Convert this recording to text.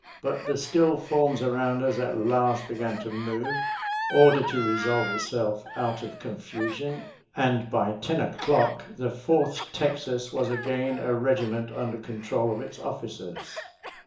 But the still forms around us at last began to move, order to resolve itself out of confusion, and by ten o'clock the Fourth Texas was again a regiment under control of its officers.